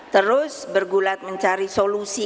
terus bergulat mencari solusi